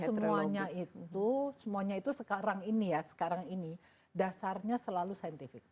semuanya itu semuanya itu sekarang ini ya sekarang ini dasarnya selalu scientific